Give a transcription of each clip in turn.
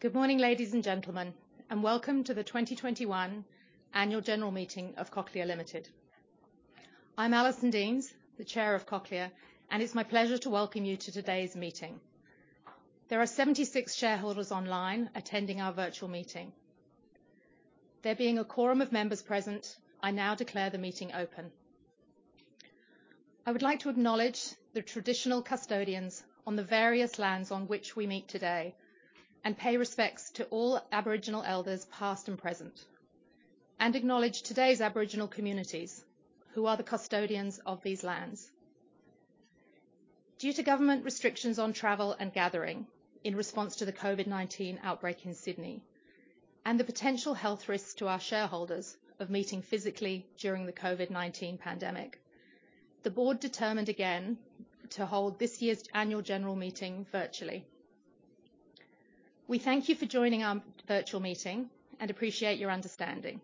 Good morning, ladies and gentlemen, and welcome to the 2021 annual general meeting of Cochlear Limited. I'm Alison Deans, the Chair of Cochlear, and it's my pleasure to welcome you to today's meeting. There are 76 shareholders online attending our virtual meeting. There being a quorum of members present, I now declare the meeting open. I would like to acknowledge the traditional custodians on the various lands on which we meet today, and pay respects to all Aboriginal elders, past and present. Acknowledge today's Aboriginal communities who are the custodians of these lands. Due to government restrictions on travel and gathering in response to the COVID-19 outbreak in Sydney, and the potential health risks to our shareholders of meeting physically during the COVID-19 pandemic, the board determined again to hold this year's annual general meeting virtually. We thank you for joining our virtual meeting and appreciate your understanding.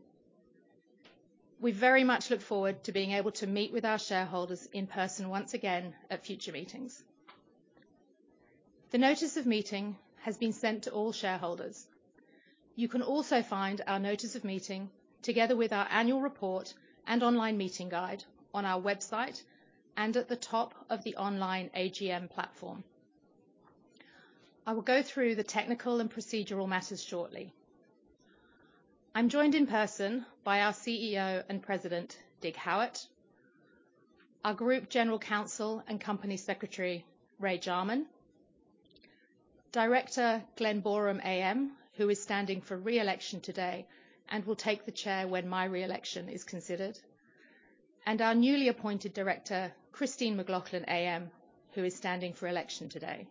We very much look forward to being able to meet with our shareholders in person once again at future meetings. The notice of meeting has been sent to all shareholders. You can also find our notice of meeting together with our annual report and online meeting guide on our website and at the top of the online AGM platform. I will go through the technical and procedural matters shortly. I'm joined in person by our CEO and President, Dig Howitt, our Group General Counsel and Company Secretary, Ray Jarman, Director Glen Boreham AM, who is standing for re-election today and will take the chair when my re-election is considered, and our newly appointed Director, Christine McLoughlin AM, who is standing for election today.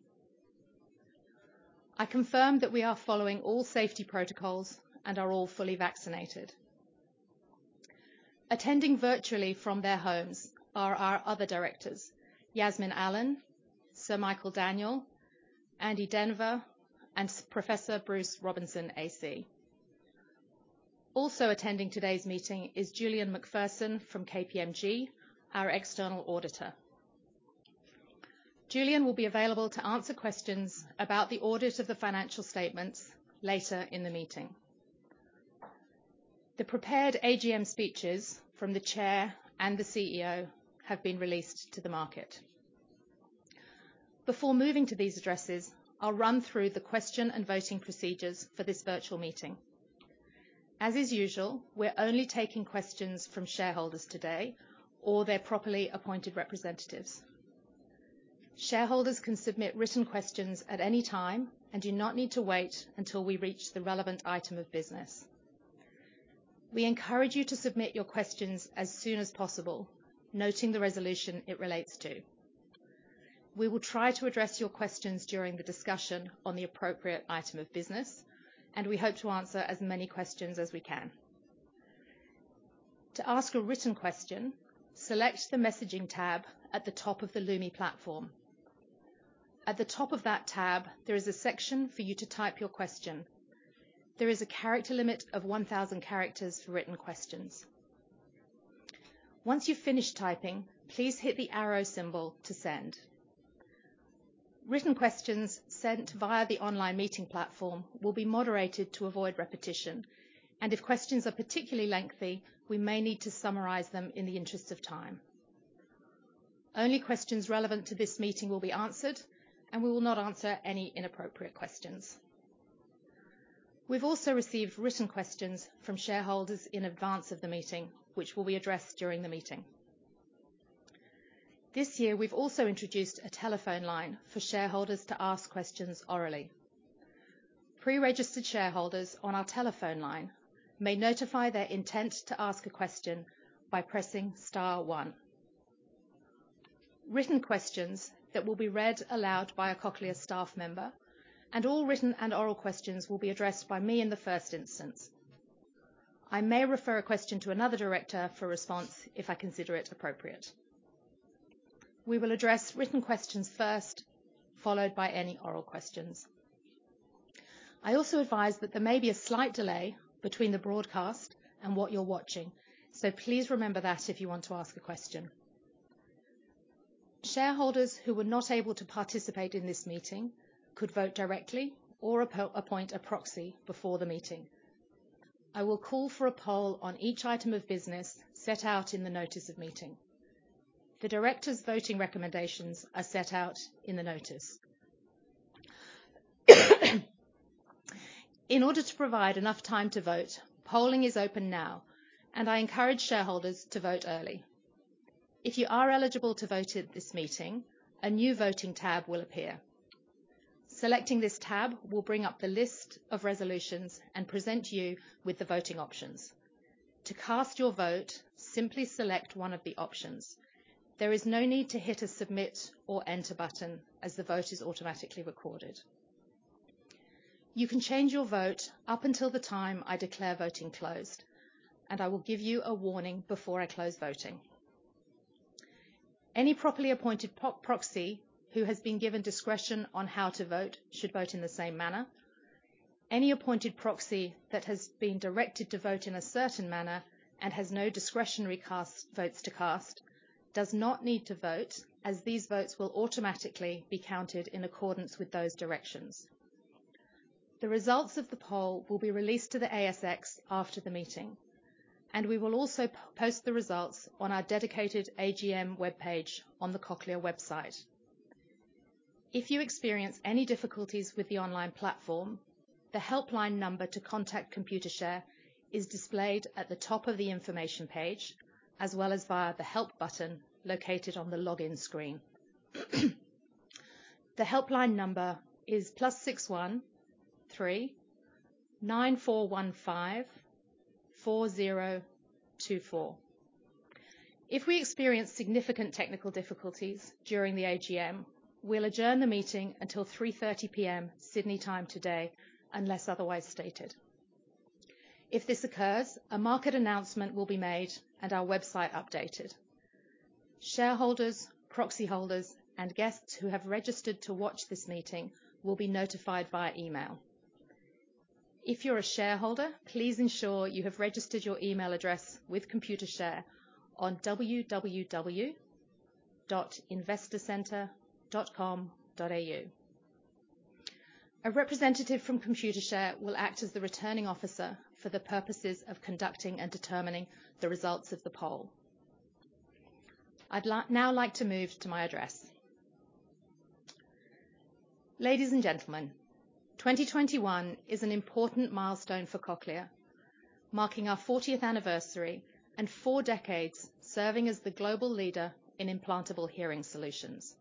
I confirm that we are following all safety protocols and are all fully vaccinated. Attending virtually from their homes are our other Directors, Yasmin Allen, Sir Michael Daniell, Andrew Denver, and Professor Bruce Robinson AC. Also attending today's meeting is Julian McPherson from KPMG, our external auditor. Julian will be available to answer questions about the audit of the financial statements later in the meeting. The prepared AGM speeches from the Chair and the CEO have been released to the market. Before moving to these addresses, I'll run through the question and voting procedures for this virtual meeting. As is usual, we're only taking questions from shareholders today or their properly appointed representatives. Shareholders can submit written questions at any time and do not need to wait until we reach the relevant item of business. We encourage you to submit your questions as soon as possible, noting the resolution it relates to. We will try to address your questions during the discussion on the appropriate item of business, and we hope to answer as many questions as we can. To ask a written question, select the messaging tab at the top of the Lumi platform. At the top of that tab, there is a section for you to type your question. There is a character limit of 1,000 characters for written questions. Once you've finished typing, please hit the arrow symbol to send. Written questions sent via the online meeting platform will be moderated to avoid repetition, and if questions are particularly lengthy, we may need to summarize them in the interest of time. Only questions relevant to this meeting will be answered, and we will not answer any inappropriate questions. We've also received written questions from shareholders in advance of the meeting, which will be addressed during the meeting. This year, we've also introduced a telephone line for shareholders to ask questions orally. Pre-registered shareholders on our telephone line may notify their intent to ask a question by pressing star one. Written questions that will be read aloud by a Cochlear staff member and all written and oral questions will be addressed by me in the first instance. I may refer a question to another director for response if I consider it appropriate. We will address written questions first, followed by any oral questions. I also advise that there may be a slight delay between the broadcast and what you're watching. Please remember that if you want to ask a question. Shareholders who were not able to participate in this meeting could vote directly or appoint a proxy before the meeting. I will call for a poll on each item of business set out in the notice of meeting. The directors' voting recommendations are set out in the notice. In order to provide enough time to vote, polling is open now, and I encourage shareholders to vote early. If you are eligible to vote at this meeting, a new voting tab will appear. Selecting this tab will bring up the list of resolutions and present you with the voting options. To cast your vote, simply select one of the options. There is no need to hit a submit or enter button as the vote is automatically recorded. You can change your vote up until the time I declare voting closed, and I will give you a warning before I close voting. Any properly appointed proxy who has been given discretion on how to vote should vote in the same manner. Any appointed proxy that has been directed to vote in a certain manner and has no discretionary votes to cast, does not need to vote, as these votes will automatically be counted in accordance with those directions. The results of the poll will be released to the ASX after the meeting, and we will also post the results on our dedicated AGM webpage on the Cochlear website. If you experience any difficulties with the online platform, the helpline number to contact Computershare is displayed at the top of the information page, as well as via the Help button located on the login screen. The helpline number is +61 3 9415 4024. If we experience significant technical difficulties during the AGM, we will adjourn the meeting until 3:30 P.M. Sydney time today, unless otherwise stated. If this occurs, a market announcement will be made and our website updated. Shareholders, proxy holders, and guests who have registered to watch this meeting will be notified via email. If you're a shareholder, please ensure you have registered your email address with Computershare on www.investorcentre.com.au. A representative from Computershare will act as the Returning Officer for the purposes of conducting and determining the results of the poll. I'd now like to move to my address. Ladies and gentlemen, 2021 is an important milestone for Cochlear, marking our 40th anniversary and four decades serving as the global leader in implantable hearing solutions.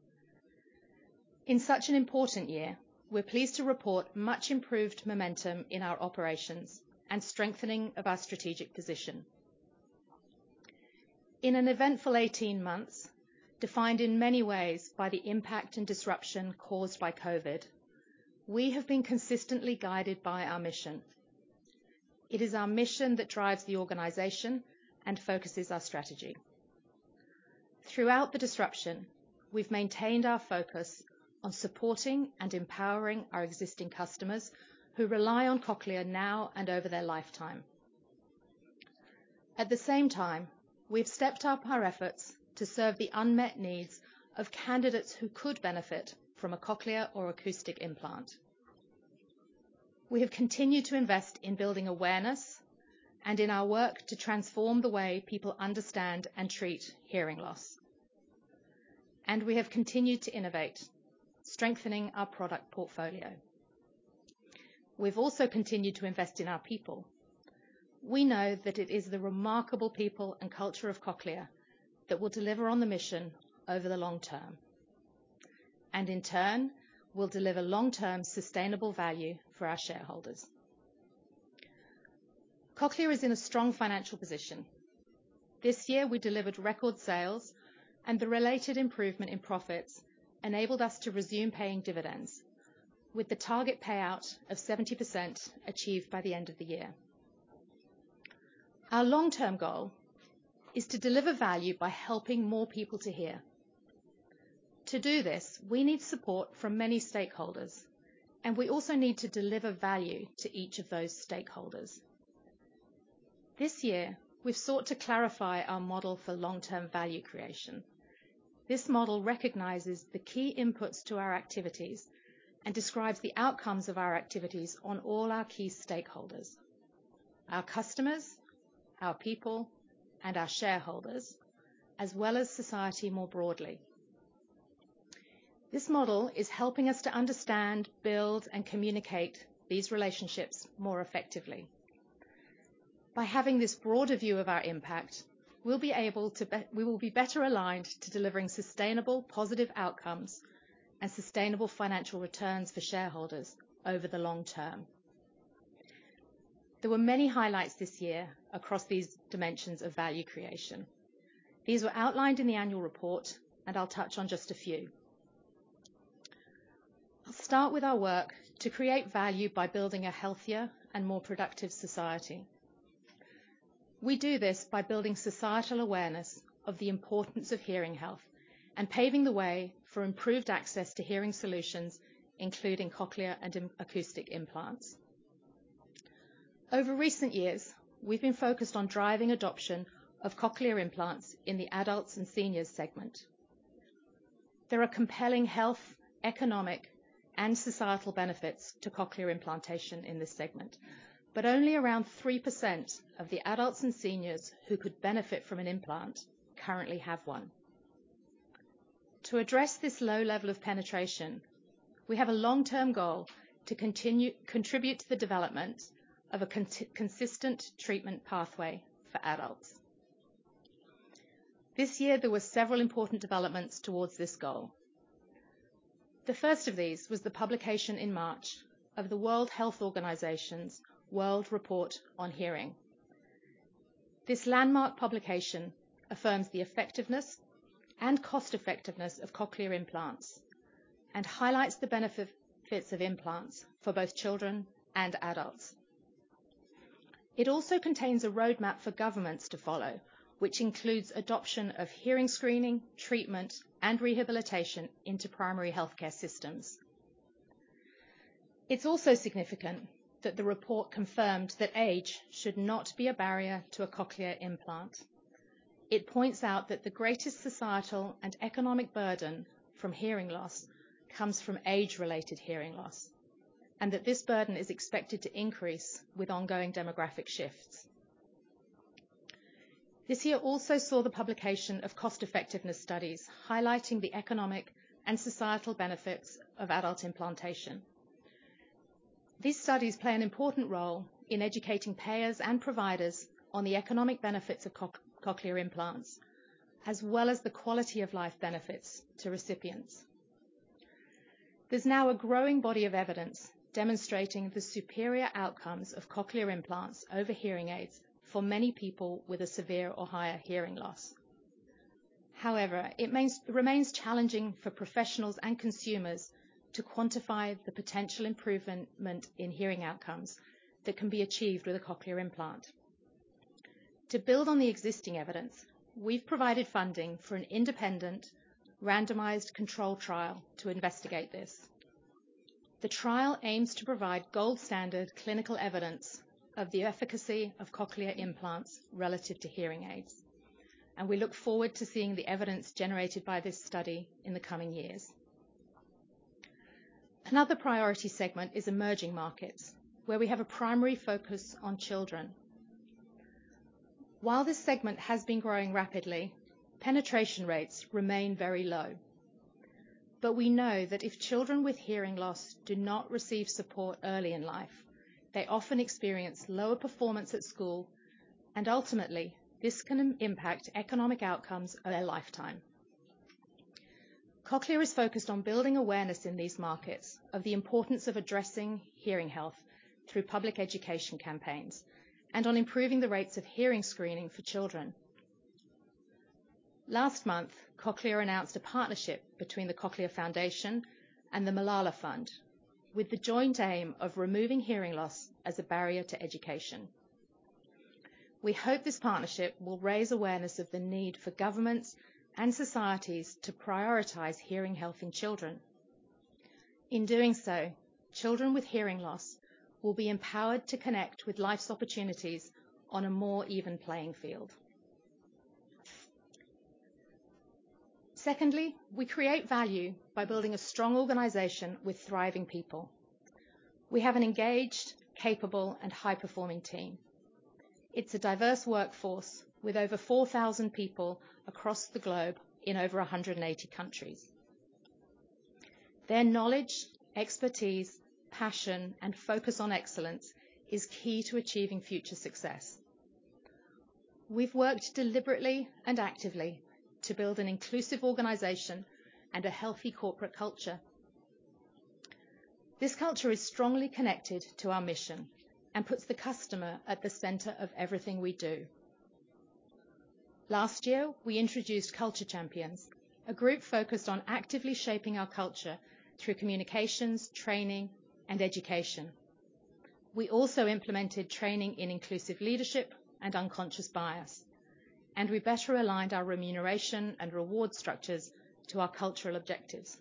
In such an important year, we're pleased to report much improved momentum in our operations and strengthening of our strategic position. In an eventful 18 months, defined in many ways by the impact and disruption caused by COVID, we have been consistently guided by our mission. It is our mission that drives the organization and focuses our strategy. Throughout the disruption, we've maintained our focus on supporting and empowering our existing customers who rely on Cochlear now and over their lifetime. At the same time, we've stepped up our efforts to serve the unmet needs of candidates who could benefit from a Cochlear or acoustic implant. We have continued to invest in building awareness and in our work to transform the way people understand and treat hearing loss. We have continued to innovate, strengthening our product portfolio. We've also continued to invest in our people. We know that it is the remarkable people and culture of Cochlear that will deliver on the mission over the long term, and in turn, will deliver long-term sustainable value for our shareholders. Cochlear is in a strong financial position. This year we delivered record sales, and the related improvement in profits enabled us to resume paying dividends, with the target payout of 70% achieved by the end of the year. Our long-term goal is to deliver value by helping more people to hear. To do this, we need support from many stakeholders, and we also need to deliver value to each of those stakeholders. This year, we've sought to clarify our model for long-term value creation. This model recognizes the key inputs to our activities and describes the outcomes of our activities on all our key stakeholders, our customers, our people, and our shareholders, as well as society more broadly. This model is helping us to understand, build, and communicate these relationships more effectively. By having this broader view of our impact, we will be better aligned to delivering sustainable positive outcomes and sustainable financial returns for shareholders over the long term. There were many highlights this year across these dimensions of value creation. These were outlined in the annual report, and I'll touch on just a few. I'll start with our work to create value by building a healthier and more productive society. We do this by building societal awareness of the importance of hearing health and paving the way for improved access to hearing solutions, including Cochlear and acoustic implants. Over recent years, we've been focused on driving adoption of Cochlear implants in the adults and seniors segment. There are compelling health, economic, and societal benefits to Cochlear implantation in this segment, but only around 3% of the adults and seniors who could benefit from an implant currently have one. To address this low level of penetration, we have a long-term goal to contribute to the development of a consistent treatment pathway for adults. This year, there were several important developments towards this goal. The first of these was the publication in March of the World Health Organization's World Report on Hearing. This landmark publication affirms the effectiveness and cost-effectiveness of Cochlear implants and highlights the benefits of implants for both children and adults. It also contains a roadmap for governments to follow, which includes adoption of hearing screening, treatment, and rehabilitation into primary healthcare systems. It is also significant that the report confirmed that age should not be a barrier to a Cochlear implant. It points out that the greatest societal and economic burden from hearing loss comes from age-related hearing loss, and that this burden is expected to increase with ongoing demographic shifts. This year also saw the publication of cost effectiveness studies highlighting the economic and societal benefits of adult implantation. These studies play an important role in educating payers and providers on the economic benefits of cochlear implants, as well as the quality of life benefits to recipients. There's now a growing body of evidence demonstrating the superior outcomes of cochlear implants over hearing aids for many people with a severe or higher hearing loss. However, it remains challenging for professionals and consumers to quantify the potential improvement in hearing outcomes that can be achieved with a cochlear implant. To build on the existing evidence, we've provided funding for an independent, randomized control trial to investigate this. The trial aims to provide gold standard clinical evidence of the efficacy of cochlear implants relative to hearing aids. We look forward to seeing the evidence generated by this study in the coming years. Another priority segment is emerging markets, where we have a primary focus on children. While this segment has been growing rapidly, penetration rates remain very low. We know that if children with hearing loss do not receive support early in life, they often experience lower performance at school, and ultimately, this can impact economic outcomes of their lifetime. Cochlear is focused on building awareness in these markets of the importance of addressing hearing health through public education campaigns, and on improving the rates of hearing screening for children. Last month, Cochlear announced a partnership between the Cochlear Foundation and the Malala Fund with the joint aim of removing hearing loss as a barrier to education. We hope this partnership will raise awareness of the need for governments and societies to prioritize hearing health in children. In doing so, children with hearing loss will be empowered to connect with life's opportunities on a more even playing field. Secondly, we create value by building a strong organization with thriving people. We have an engaged, capable, and high-performing team. It's a diverse workforce with over 4,000 people across the globe in over 180 countries. Their knowledge, expertise, passion, and focus on excellence is key to achieving future success. We've worked deliberately and actively to build an inclusive organization and a healthy corporate culture. This culture is strongly connected to our mission and puts the customer at the center of everything we do. Last year, we introduced Culture Champions, a group focused on actively shaping our culture through communications, training, and education. We also implemented training in inclusive leadership and unconscious bias, we better aligned our remuneration and reward structures to our cultural objectives.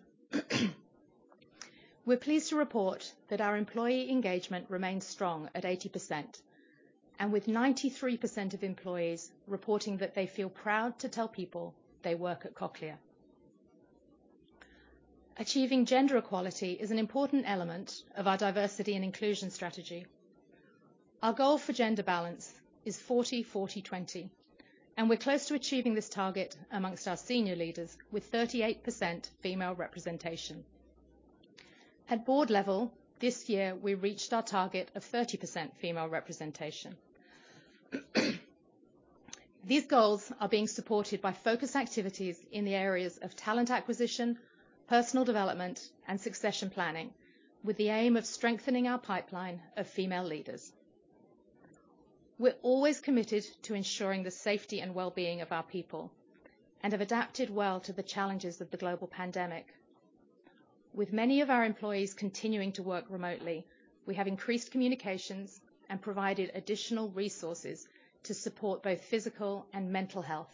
We're pleased to report that our employee engagement remains strong at 80%, with 93% of employees reporting that they feel proud to tell people they work at Cochlear. Achieving gender equality is an important element of our diversity and inclusion strategy. Our goal for gender balance is 40/40/20, we're close to achieving this target amongst our senior leaders with 38% female representation. At board level, this year, we reached our target of 30% female representation. These goals are being supported by focus activities in the areas of talent acquisition, personal development, and succession planning, with the aim of strengthening our pipeline of female leaders. We're always committed to ensuring the safety and wellbeing of our people and have adapted well to the challenges of the global pandemic. With many of our employees continuing to work remotely, we have increased communications and provided additional resources to support both physical and mental health,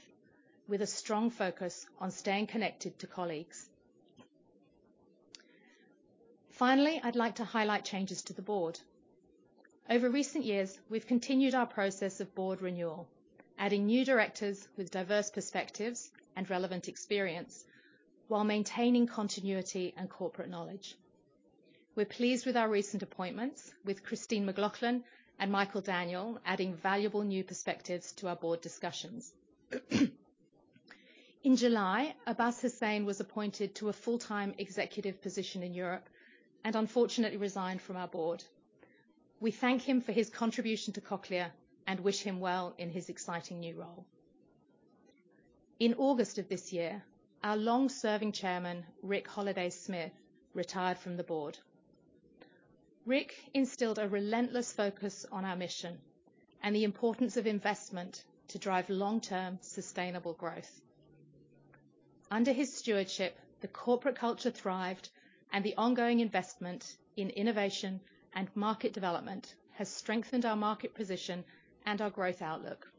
with a strong focus on staying connected to colleagues. Finally, I'd like to highlight changes to the board. Over recent years, we've continued our process of board renewal, adding new directors with diverse perspectives and relevant experience while maintaining continuity and corporate knowledge. We're pleased with our recent appointments with Christine McLoughlin and Michael Daniell adding valuable new perspectives to our board discussions. In July, Abbas Hussain was appointed to a full-time executive position in Europe and unfortunately resigned from our board. We thank him for his contribution to Cochlear and wish him well in his exciting new role. In August of this year, our long-serving Chairman, Rick Holliday-Smith, retired from the board. Rick instilled a relentless focus on our mission and the importance of investment to drive long-term sustainable growth. Under his stewardship, the corporate culture thrived and the ongoing investment in innovation and market development has strengthened our market position and our growth outlook.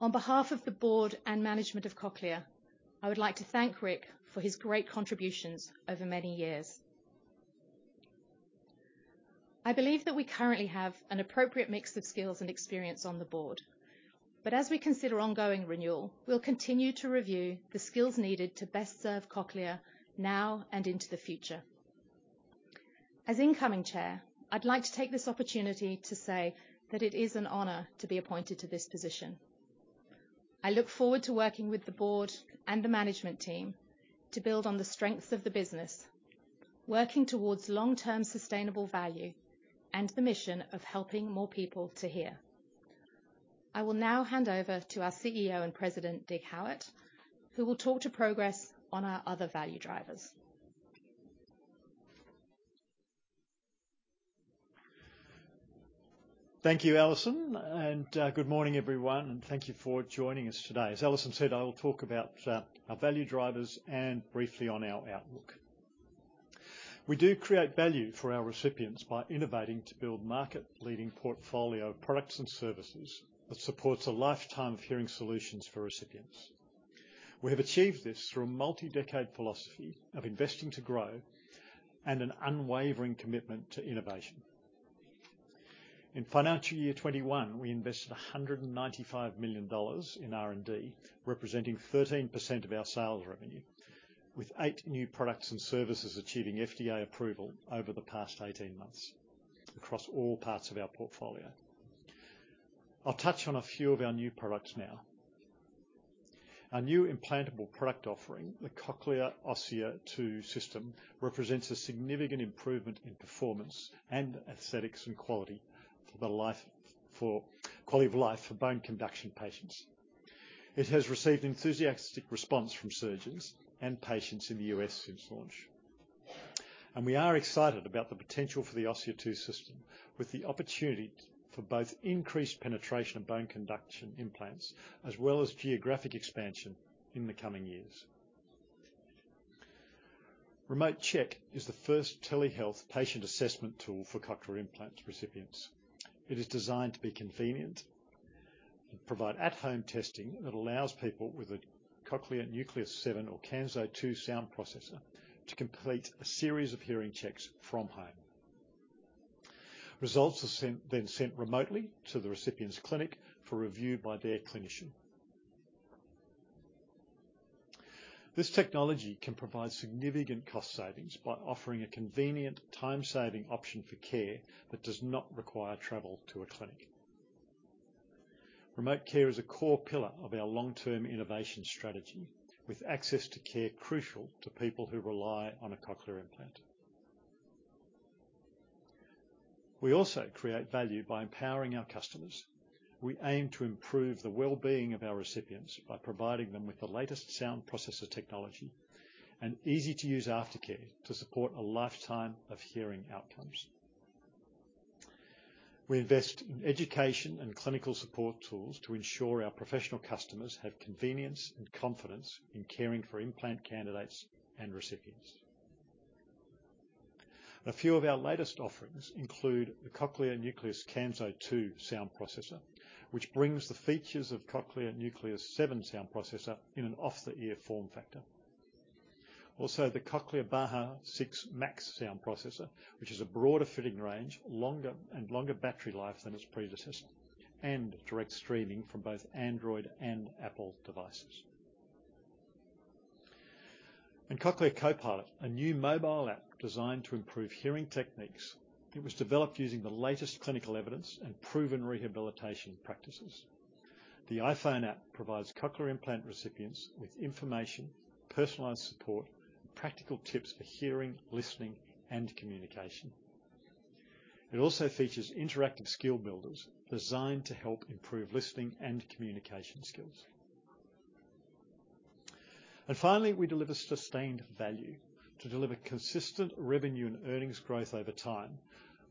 On behalf of the board and management of Cochlear, I would like to thank Rick for his great contributions over many years. I believe that we currently have an appropriate mix of skills and experience on the board. As we consider ongoing renewal, we'll continue to review the skills needed to best serve Cochlear now and into the future. As incoming chair, I'd like to take this opportunity to say that it is an honor to be appointed to this position. I look forward to working with the board and the management team to build on the strengths of the business, working towards long-term sustainable value and the mission of helping more people to hear. I will now hand over to our CEO and President, Dig Howitt, who will talk to progress on our other value drivers. Thank you, Alison, and good morning, everyone, and thank you for joining us today. As Alison said, I will talk about our value drivers and briefly on our outlook. We do create value for our recipients by innovating to build market-leading portfolio products and services that supports a lifetime of hearing solutions for recipients. We have achieved this through a multi-decade philosophy of investing to grow and an unwavering commitment to innovation. In financial year 2021, we invested 195 million dollars in R&D, representing 13% of our sales revenue, with eight new products and services achieving FDA approval over the past 18 months across all parts of our portfolio. I'll touch on a few of our new products now. Our new implantable product offering, the Cochlear Osia 2 System, represents a significant improvement in performance and aesthetics and quality of life for bone conduction patients. It has received enthusiastic response from surgeons and patients in the U.S. since launch. We are excited about the potential for the Osia 2 System, with the opportunity for both increased penetration of bone conduction implants, as well as geographic expansion in the coming years. Remote Check is the first telehealth patient assessment tool for cochlear implant recipients. It is designed to be convenient and provide at-home testing that allows people with a Cochlear Nucleus 7 or Kanso 2 Sound Processor to complete a series of hearing checks from home. Results are then sent remotely to the recipient's clinic for review by their clinician. This technology can provide significant cost savings by offering a convenient, time-saving option for care that does not require travel to a clinic. Remote Care is a core pillar of our long-term innovation strategy, with access to care crucial to people who rely on a Cochlear implant. We also create value by empowering our customers. We aim to improve the well-being of our recipients by providing them with the latest sound processor technology and easy-to-use aftercare to support a lifetime of hearing outcomes. We invest in education and clinical support tools to ensure our professional customers have convenience and confidence in caring for implant candidates and recipients. A few of our latest offerings include the Cochlear Nucleus Kanso 2 Sound Processor, which brings the features of Cochlear Nucleus 7 Sound Processor in an off-the-ear form factor. Also, the Cochlear Baha 6 Max Sound Processor, which has a broader fitting range and longer battery life than its predecessor, and direct streaming from both Android and Apple devices. Cochlear CoPilot, a new mobile app designed to improve hearing techniques. It was developed using the latest clinical evidence and proven rehabilitation practices. The iPhone app provides cochlear implant recipients with information, personalized support, and practical tips for hearing, listening, and communication. It also features interactive skill builders designed to help improve listening and communication skills. Finally, we deliver sustained value to deliver consistent revenue and earnings growth over time.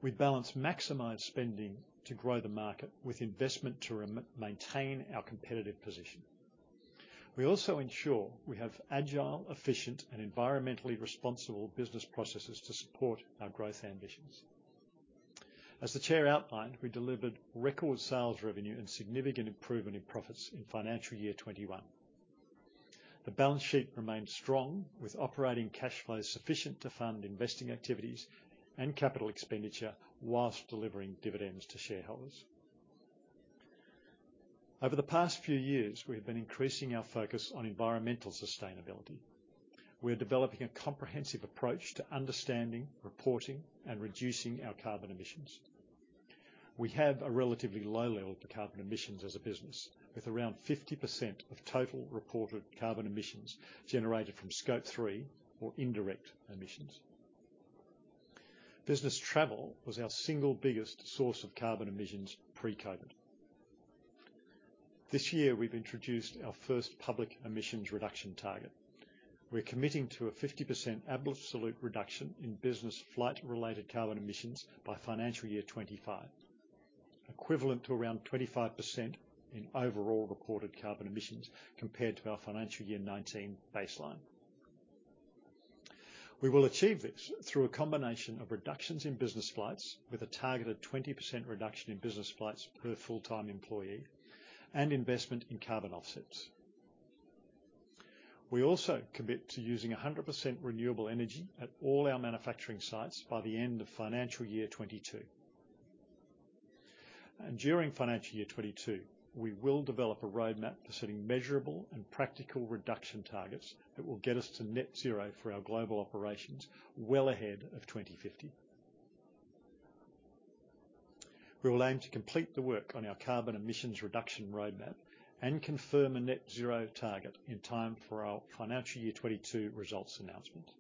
We balance maximized spending to grow the market with investment to maintain our competitive position. We also ensure we have agile, efficient, and environmentally responsible business processes to support our growth ambitions. As the chair outlined, we delivered record sales revenue and significant improvement in profits in financial year 2021. The balance sheet remains strong, with operating cash flows sufficient to fund investing activities and capital expenditure whilst delivering dividends to shareholders. Over the past few years, we have been increasing our focus on environmental sustainability. We are developing a comprehensive approach to understanding, reporting, and reducing our carbon emissions. We have a relatively low level of carbon emissions as a business, with around 50% of total reported carbon emissions generated from Scope 3 or indirect emissions. Business travel was our single biggest source of carbon emissions pre-COVID. This year, we've introduced our first public emissions reduction target. We're committing to a 50% absolute reduction in business flight-related carbon emissions by financial year 2025. Equivalent to around 25% in overall reported carbon emissions compared to our financial year 2019 baseline. We will achieve this through a combination of reductions in business flights with a targeted 20% reduction in business flights per full-time employee, and investment in carbon offsets. We also commit to using 100% renewable energy at all our manufacturing sites by the end of financial year 2022. During financial year 2022, we will develop a roadmap for setting measurable and practical reduction targets that will get us to net zero for our global operations well ahead of 2050. We will aim to complete the work on our carbon emissions reduction roadmap and confirm a net zero target in time for our financial year 2022 results announcement.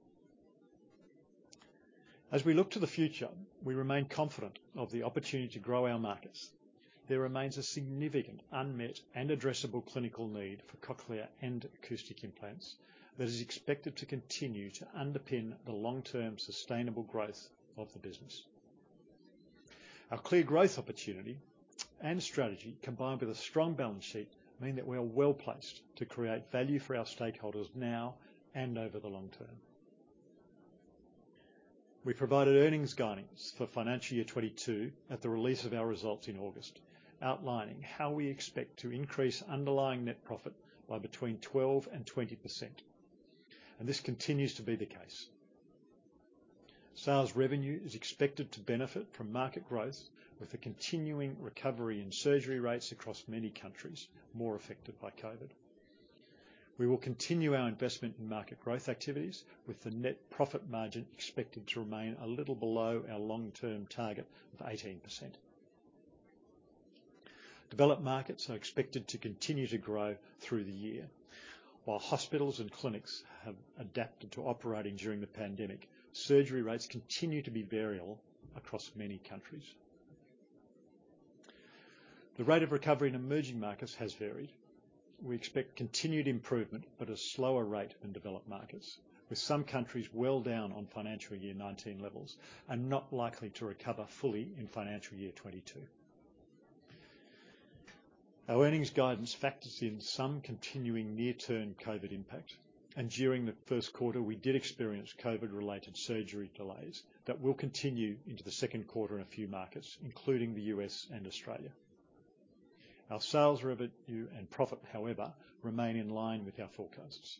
As we look to the future, we remain confident of the opportunity to grow our markets. There remains a significant unmet and addressable clinical need for Cochlear and acoustic implants that is expected to continue to underpin the long-term sustainable growth of the business. Our clear growth opportunity and strategy, combined with a strong balance sheet, mean that we are well-placed to create value for our stakeholders now and over the long term. We provided earnings guidance for financial year 2022 at the release of our results in August, outlining how we expect to increase underlying net profit by between 12% and 20%, and this continues to be the case. Sales revenue is expected to benefit from market growth with the continuing recovery in surgery rates across many countries more affected by COVID. We will continue our investment in market growth activities with the net profit margin expected to remain a little below our long-term target of 18%. Developed markets are expected to continue to grow through the year. While hospitals and clinics have adapted to operating during the pandemic, surgery rates continue to be variable across many countries. The rate of recovery in emerging markets has varied. We expect continued improvement at a slower rate than developed markets, with some countries well down on financial year 2019 levels and not likely to recover fully in financial year 2022. Our earnings guidance factors in some continuing near-term COVID impact, and during the first quarter, we did experience COVID-related surgery delays that will continue into the second quarter in a few markets, including the U.S. and Australia. Our sales revenue and profit, however, remain in line with our forecasts.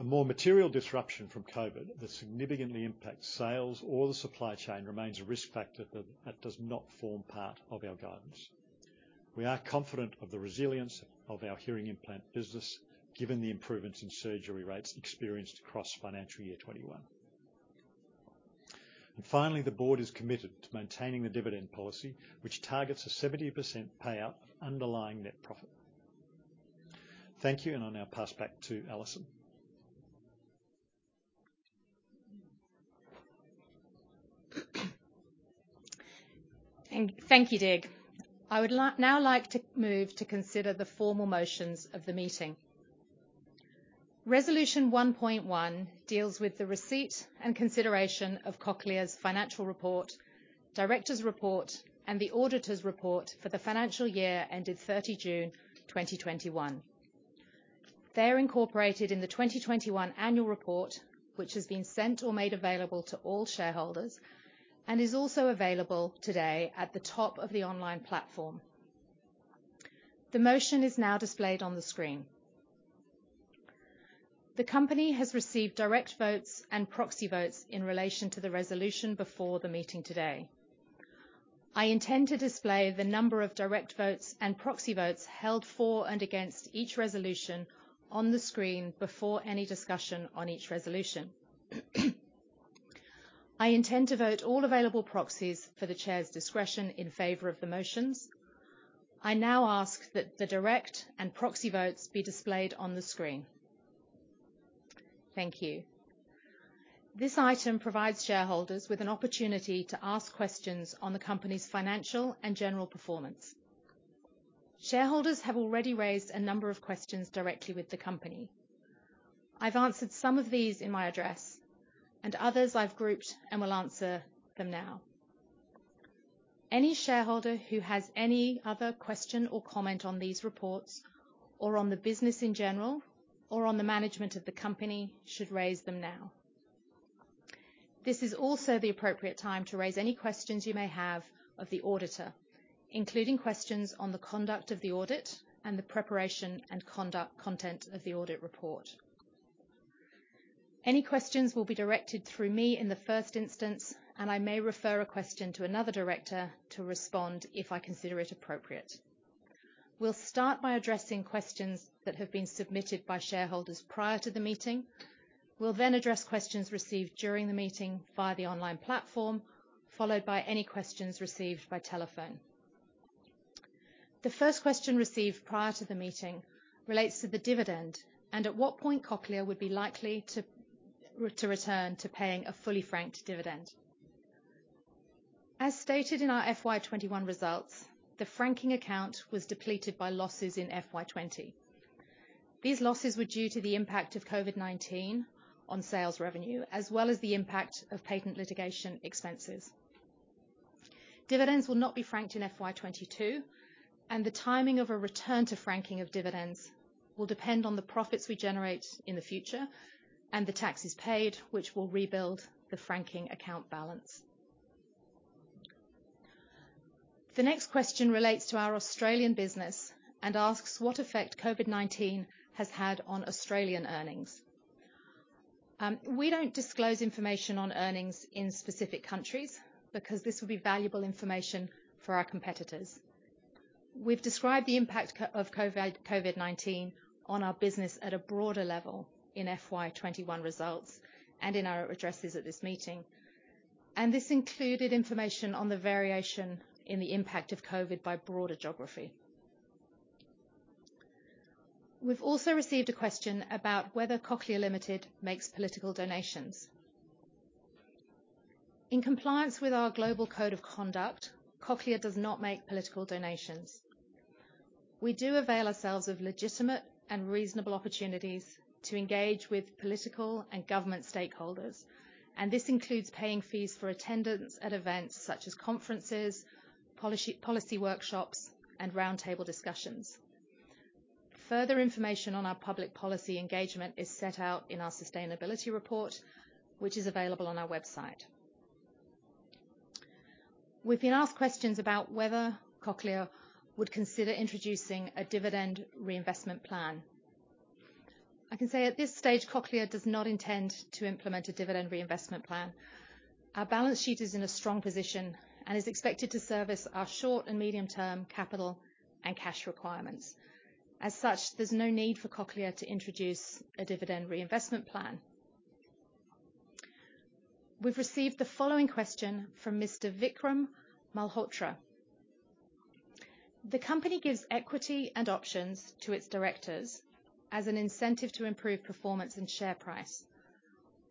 A more material disruption from COVID that significantly impacts sales or the supply chain remains a risk factor that does not form part of our guidance. We are confident of the resilience of our hearing implant business, given the improvements in surgery rates experienced across financial year 2021. Finally, the board is committed to maintaining the dividend policy, which targets a 70% payout of underlying net profit. Thank you, and I'll now pass back to Alison. Thank you, Dig. I would now like to move to consider the formal motions of the meeting. Resolution 1.1 deals with the receipt and consideration of Cochlear's financial report, directors' report, and the auditor's report for the financial year ended 30 June, 2021. They're incorporated in the 2021 annual report, which has been sent or made available to all shareholders and is also available today at the top of the online platform. The motion is now displayed on the screen. The company has received direct votes and proxy votes in relation to the resolution before the meeting today. I intend to display the number of direct votes and proxy votes held for and against each resolution on the screen before any discussion on each resolution. I intend to vote all available proxies for the chair's discretion in favor of the motions. I now ask that the direct and proxy votes be displayed on the screen. Thank you. This item provides shareholders with an opportunity to ask questions on the company's financial and general performance. Shareholders have already raised a number of questions directly with the company. I've answered some of these in my address, and others I've grouped and will answer them now. Any shareholder who has any other question or comment on these reports or on the business in general or on the management of the company should raise them now. This is also the appropriate time to raise any questions you may have of the auditor, including questions on the conduct of the audit and the preparation and content of the audit report. Questions will be directed through me in the first instance, and I may refer a question to another director to respond if I consider it appropriate. We'll start by addressing questions that have been submitted by shareholders prior to the meeting. We'll then address questions received during the meeting via the online platform, followed by any questions received by telephone. The first question received prior to the meeting relates to the dividend and at what point Cochlear would be likely to return to paying a fully franked dividend. As stated in our FY 2021 results, the franking account was depleted by losses in FY 2020. These losses were due to the impact of COVID-19 on sales revenue, as well as the impact of patent litigation expenses. Dividends will not be franked in FY 2022, and the timing of a return to franking of dividends will depend on the profits we generate in the future, and the taxes paid, which will rebuild the franking account balance. The next question relates to our Australian business and asks what effect COVID-19 has had on Australian earnings. We don't disclose information on earnings in specific countries because this would be valuable information for our competitors. We've described the impact of COVID-19 on our business at a broader level in FY 2021 results and in our addresses at this meeting, and this included information on the variation in the impact of COVID by broader geography. We've also received a question about whether Cochlear Limited makes political donations. In compliance with our global code of conduct, Cochlear does not make political donations. We do avail ourselves of legitimate and reasonable opportunities to engage with political and government stakeholders, and this includes paying fees for attendance at events such as conferences, policy workshops, and roundtable discussions. Further information on our public policy engagement is set out in our sustainability report, which is available on our website. We've been asked questions about whether Cochlear would consider introducing a dividend reinvestment plan. I can say at this stage, Cochlear does not intend to implement a dividend reinvestment plan. Our balance sheet is in a strong position and is expected to service our short and medium-term capital and cash requirements. As such, there's no need for Cochlear to introduce a dividend reinvestment plan. We've received the following question from Mr Vikram Malhotra. The company gives equity and options to its directors as an incentive to improve performance and share price.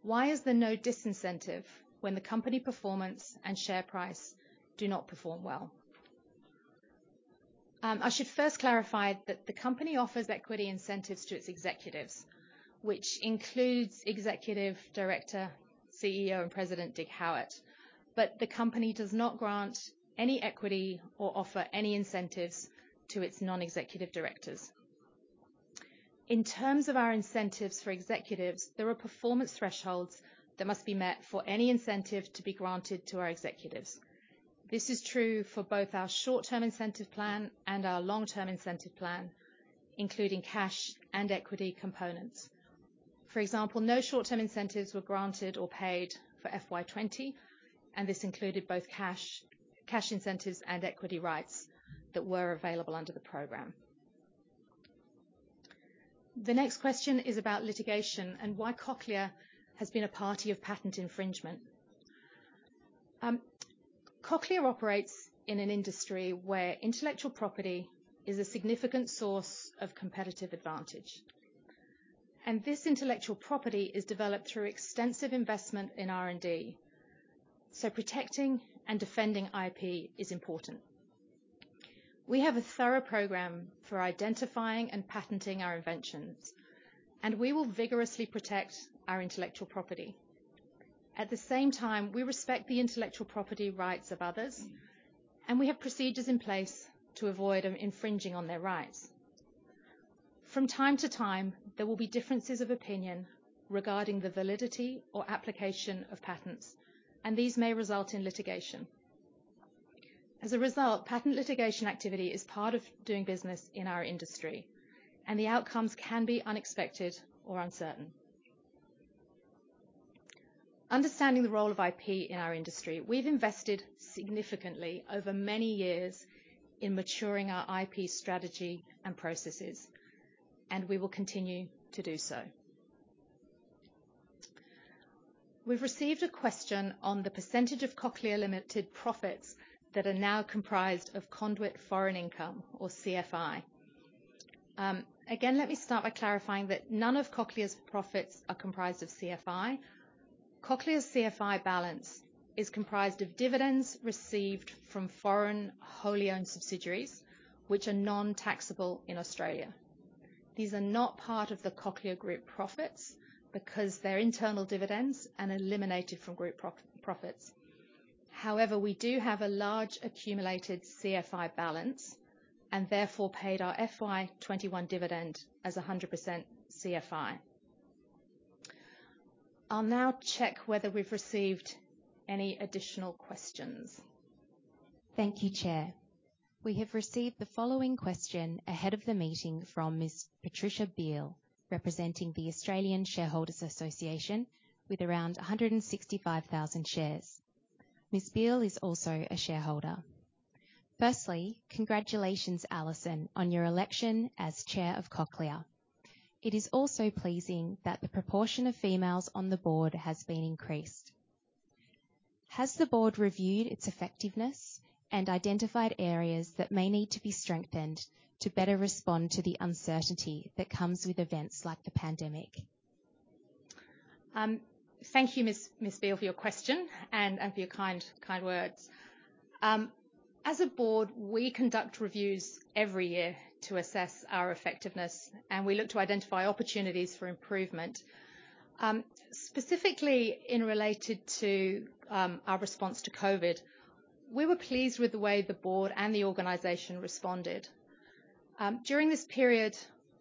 Why is there no disincentive when the company performance and share price do not perform well? I should first clarify that the company offers equity incentives to its executives, which includes Executive Director, CEO, and President Dig Howitt. The company does not grant any equity or offer any incentives to its non-executive directors. In terms of our incentives for executives, there are performance thresholds that must be met for any incentive to be granted to our executives. This is true for both our short-term incentive plan and our long-term incentive plan, including cash and equity components. For example, no short-term incentives were granted or paid for FY 2020, and this included both cash incentives and equity rights that were available under the program. The next question is about litigation and why Cochlear has been a party of patent infringement. Cochlear operates in an industry where intellectual property is a significant source of competitive advantage, and this intellectual property is developed through extensive investment in R&D. Protecting and defending IP is important. We have a thorough program for identifying and patenting our inventions, and we will vigorously protect our intellectual property. At the same time, we respect the intellectual property rights of others, and we have procedures in place to avoid infringing on their rights. From time to time, there will be differences of opinion regarding the validity or application of patents, and these may result in litigation. As a result, patent litigation activity is part of doing business in our industry, and the outcomes can be unexpected or uncertain. Understanding the role of IP in our industry, we've invested significantly over many years in maturing our IP strategy and processes, and we will continue to do so. We've received a question on the percentage of Cochlear Limited profits that are now comprised of Conduit Foreign Income or CFI. Let me start by clarifying that none of Cochlear's profits are comprised of CFI. Cochlear's CFI balance is comprised of dividends received from foreign wholly owned subsidiaries, which are non-taxable in Australia. These are not part of the Cochlear Group profits because they're internal dividends and eliminated from group profits. We do have a large accumulated CFI balance and therefore paid our FY 2021 dividend as 100% CFI. I'll now check whether we've received any additional questions. Thank you, Chair. We have received the following question ahead of the meeting from Ms. Patricia Beale, representing the Australian Shareholders Association with around 165,000 shares. Ms Beale is also a shareholder. Firstly, congratulations, Alison, on your election as Chair of Cochlear. It is also pleasing that the proportion of females on the board has been increased. Has the board reviewed its effectiveness and identified areas that may need to be strengthened to better respond to the uncertainty that comes with events like the pandemic? Thank you, Ms. Beale, for your question and for your kind words. As a board, we conduct reviews every year to assess our effectiveness, and we look to identify opportunities for improvement. Specifically in related to our response to COVID, we were pleased with the way the board and the organization responded. During this period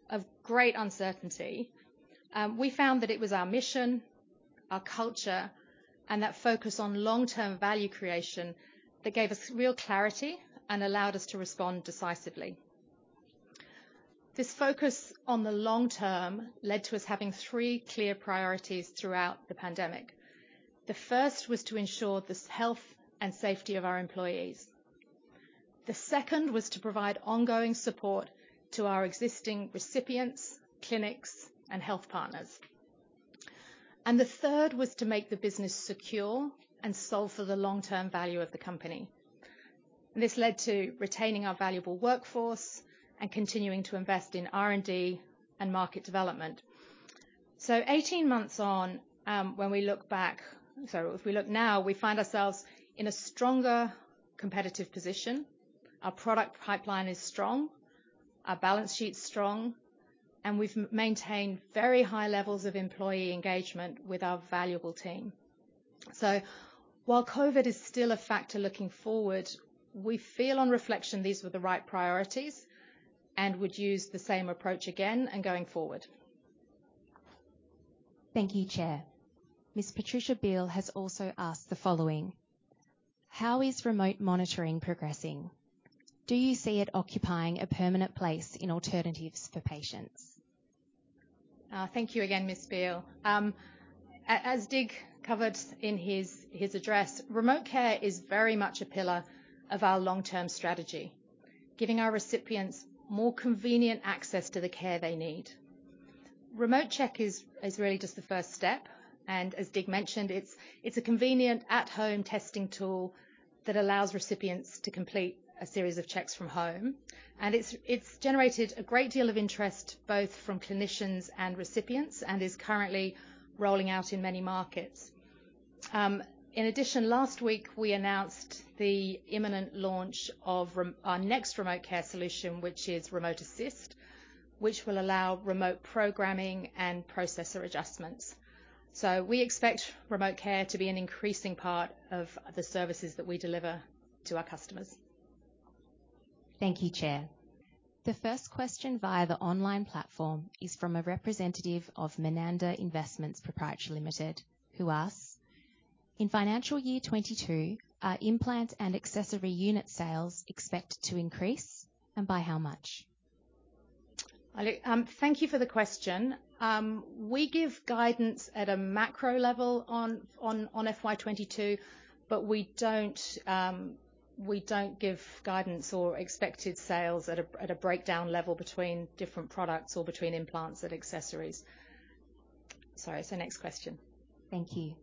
of great uncertainty, we found that it was our mission, our culture, and that focus on long-term value creation that gave us real clarity and allowed us to respond decisively. This focus on the long term led to us having three clear priorities throughout the pandemic. The first was to ensure the health and safety of our employees. The second was to provide ongoing support to our existing recipients, clinics, and health partners. The third was to make the business secure and solve for the long-term value of the company. This led to retaining our valuable workforce and continuing to invest in R&D and market development. 18 months on, when we look back, if we look now, we find ourselves in a stronger competitive position. Our product pipeline is strong, our balance sheet's strong, and we've maintained very high levels of employee engagement with our valuable team. While COVID is still a factor looking forward, we feel on reflection, these were the right priorities and would use the same approach again and going forward. Thank you, Chair. Ms. Patricia Beale has also asked the following: How is remote monitoring progressing? Do you see it occupying a permanent place in alternatives for patients? Thank you again, Ms. Beale. As Dig covered in his address, remote care is very much a pillar of our long-term strategy, giving our recipients more convenient access to the care they need. Remote Check is really just the first step, and as Dig mentioned, it's a convenient at-home testing tool that allows recipients to complete a series of checks from home, and it's generated a great deal of interest both from clinicians and recipients and is currently rolling out in many markets. In addition, last week we announced the imminent launch of our next remote care solution, which is Remote Assist, which will allow remote programming and processor adjustments. We expect remote care to be an increasing part of the services that we deliver to our customers. Thank you, Chair. The first question via the online platform is from a representative of Mananda Investments Proprietary Limited, who asks, "In financial year 2022, are implant and accessory unit sales expected to increase, and by how much? Thank you for the question. We give guidance at a macro level on FY 2022, but we don't give guidance or expected sales at a breakdown level between different products or between implants and accessories. Sorry, so next question. Thank you.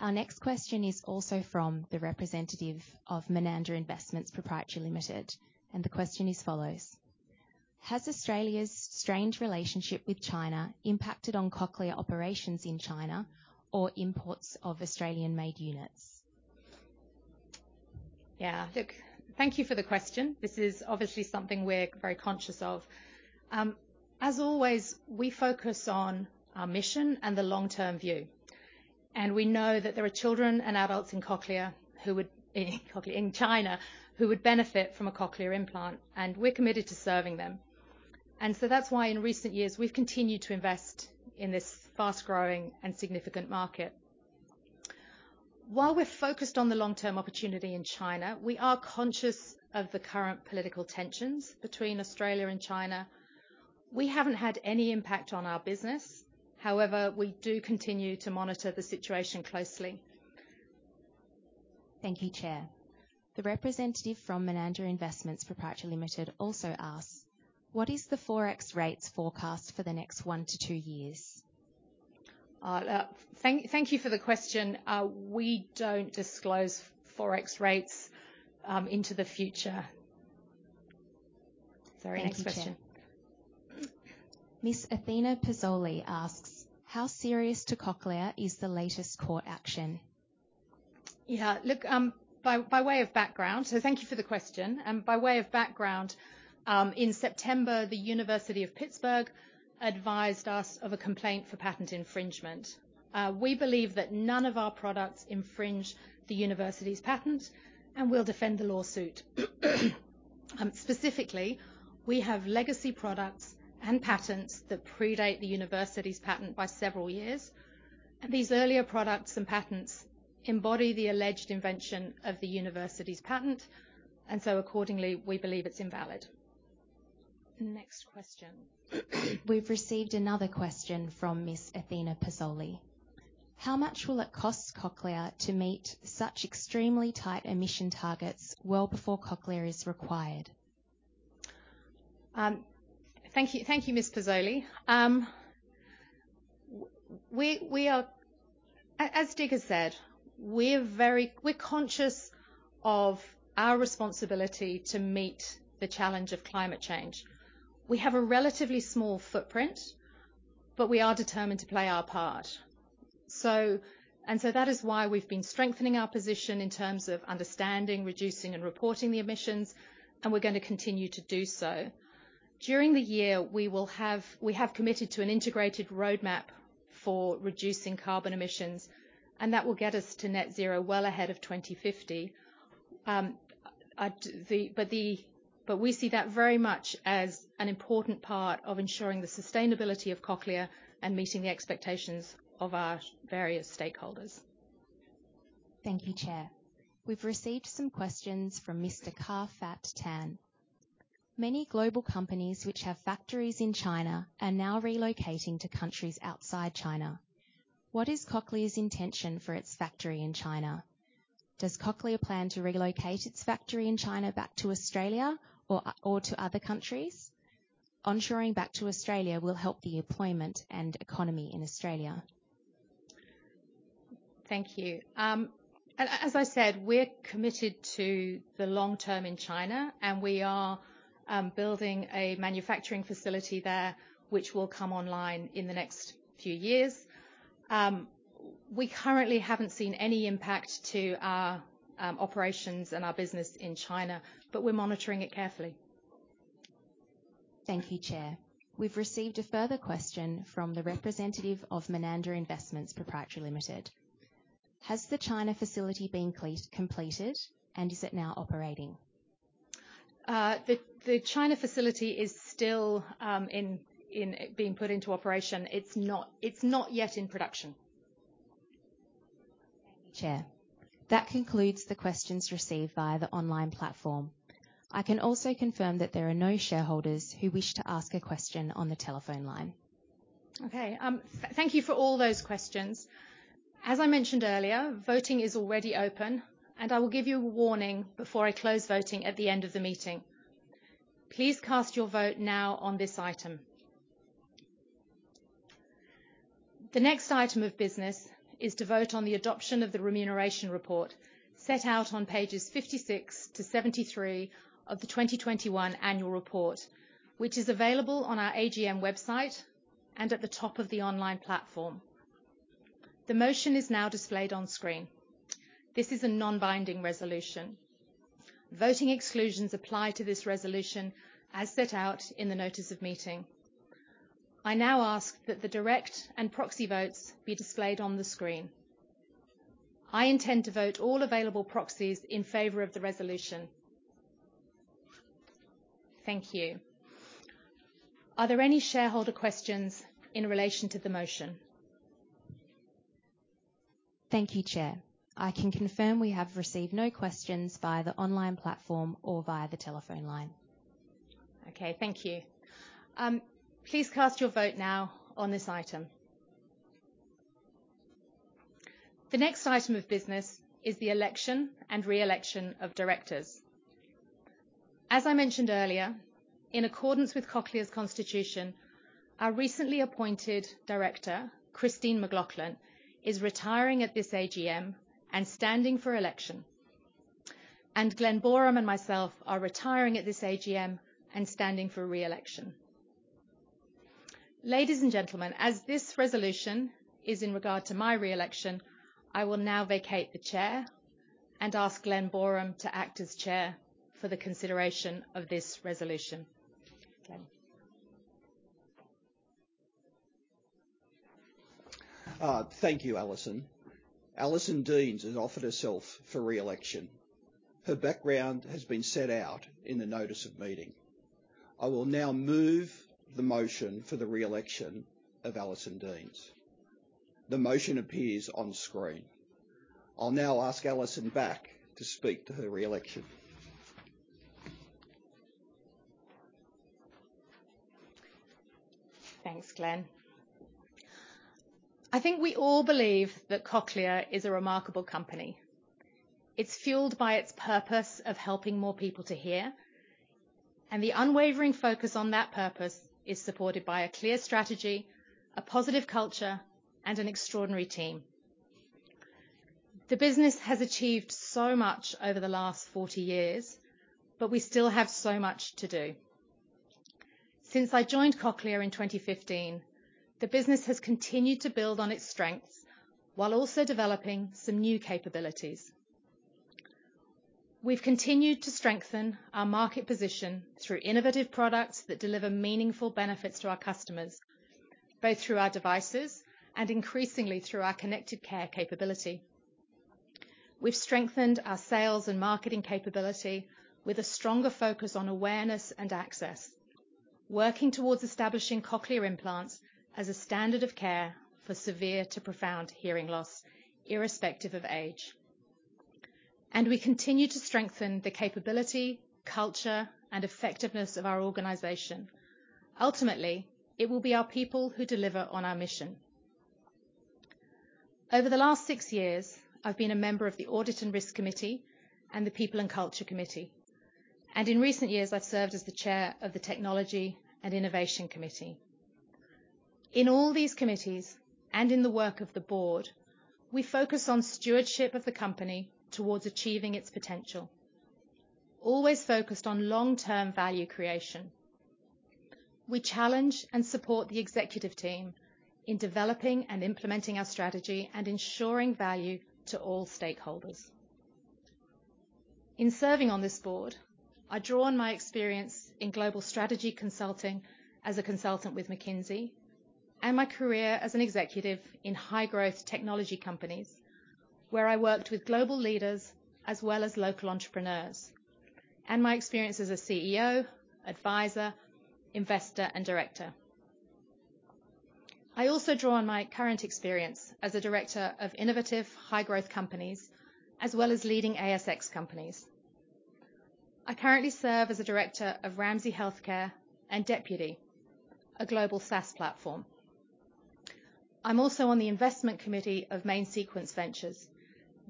Our next question is also from the representative of Mananda Investments Proprietary Limited. The question is follows: Has Australia's strange relationship with China impacted on Cochlear operations in China or imports of Australian-made units? Yeah. Look, thank you for the question. This is obviously something we're very conscious of. As always, we focus on our mission and the long-term view, and we know that there are children and adults in Cochlear who was in China, who would benefit from a cochlear implant, and we're committed to serving them. That's why in recent years we've continued to invest in this fast-growing and significant market. While we're focused on the long-term opportunity in China, we are conscious of the current political tensions between Australia and China. We haven't had any impact on our business. However, we do continue to monitor the situation closely. Thank you, Chair. The representative from Mananda Investments Proprietary Limited also asks, "What is the Forex rates forecast for the next one to two years? Thank you for the question. We don't disclose Forex rates into the future. Sorry, next question. Thank you, Chair. Ms. Athena Pizzoli asks, "How serious to Cochlear is the latest court action? Thank you for the question. By way of background, in September, the University of Pittsburgh advised us of a complaint for patent infringement. We believe that none of our products infringe the university's patent, and we'll defend the lawsuit. Specifically, we have legacy products and patents that predate the university's patent by several years, and these earlier products and patents embody the alleged invention of the university's patent, and so accordingly, we believe it's invalid. Next question. We've received another question from Ms. Athena Pizzoli. How much will it cost Cochlear to meet such extremely tight emission targets well before Cochlear is required? Thank you, Ms. Pizzoli. As Dig said, we're conscious of our responsibility to meet the challenge of climate change. We have a relatively small footprint. We are determined to play our part. That is why we've been strengthening our position in terms of understanding, reducing, and reporting the emissions, and we're going to continue to do so. During the year, we have committed to an integrated roadmap for reducing carbon emissions. That will get us to net zero well ahead of 2050. We see that very much as an important part of ensuring the sustainability of Cochlear and meeting the expectations of our various stakeholders. Thank you, Chair. We've received some questions from Mr. Kar Fat Tan. Many global companies which have factories in China are now relocating to countries outside China. What is Cochlear's intention for its factory in China? Does Cochlear plan to relocate its factory in China back to Australia or to other countries? Onshoring back to Australia will help the employment and economy in Australia. Thank you. As I said, we're committed to the long term in China, and we are building a manufacturing facility there, which will come online in the next few years. We currently haven't seen any impact to our operations and our business in China, but we're monitoring it carefully. Thank you, Chair. We've received a further question from the representative of Mananda Investments Proprietary Limited. Has the China facility been completed, and is it now operating? The China facility is still in being put into operation. It's not yet in production. Thank you, Chair. That concludes the questions received via the online platform. I can also confirm that there are no shareholders who wish to ask a question on the telephone line. Okay. Thank you for all those questions. As I mentioned earlier, voting is already open, and I will give you a warning before I close voting at the end of the meeting. Please cast your vote now on this item. The next item of business is to vote on the adoption of the remuneration report set out on pages 56 to 73 of the 2021 annual report, which is available on our AGM website and at the top of the online platform. The motion is now displayed on screen. This is a non-binding resolution. Voting exclusions apply to this resolution as set out in the notice of meeting. I now ask that the direct and proxy votes be displayed on the screen. I intend to vote all available proxies in favor of the resolution. Thank you. Are there any shareholder questions in relation to the motion? Thank you, Chair. I can confirm we have received no questions via the online platform or via the telephone line. Okay, thank you. Please cast your vote now on this item. The next item of business is the election and re-election of directors. As I mentioned earlier, in accordance with Cochlear's Constitution, our recently appointed director, Christine McLoughlin, is retiring at this AGM and standing for election. Glen Boreham and myself are retiring at this AGM and standing for re-election. Ladies and gentlemen, as this resolution is in regard to my re-election, I will now vacate the Chair and ask Glen Boreham to act as Chair for the consideration of this resolution. Glen? Thank you, Alison. Alison Deans has offered herself for re-election. Her background has been set out in the notice of meeting. I will now move the motion for the re-election of Alison Deans. The motion appears on screen. I'll now ask Alison back to speak to her re-election. Thanks, Glen. I think we all believe that Cochlear is a remarkable company. It's fueled by its purpose of helping more people to hear, and the unwavering focus on that purpose is supported by a clear strategy, a positive culture, and an extraordinary team. The business has achieved so much over the last 40 years, but we still have so much to do. Since I joined Cochlear in 2015, the business has continued to build on its strengths while also developing some new capabilities. We've continued to strengthen our market position through innovative products that deliver meaningful benefits to our customers, both through our devices and increasingly through our connected care capability. We've strengthened our sales and marketing capability with a stronger focus on awareness and access, working towards establishing cochlear implants as a standard of care for severe to profound hearing loss, irrespective of age. We continue to strengthen the capability, culture, and effectiveness of our organization. Ultimately, it will be our people who deliver on our mission. Over the last six years, I've been a member of the Audit and Risk Committee and the People and Culture Committee. In recent years, I've served as the chair of the Technology and Innovation Committee. In all these committees, and in the work of the board, we focus on stewardship of the company towards achieving its potential, always focused on long-term value creation. We challenge and support the executive team in developing and implementing our strategy and ensuring value to all stakeholders. In serving on this board, I draw on my experience in global strategy consulting as a consultant with McKinsey, and my career as an executive in high-growth technology companies, where I worked with global leaders as well as local entrepreneurs, and my experience as a CEO, advisor, investor, and director. I also draw on my current experience as a director of innovative high-growth companies, as well as leading ASX companies. I currently serve as a Director of Ramsay Health Care and Deputy, a global SaaS platform. I'm also on the investment committee of Main Sequence Ventures,